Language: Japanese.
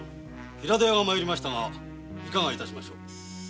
平戸屋が参りましたがいかが致しましょう。